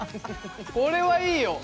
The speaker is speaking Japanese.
これはいいよ。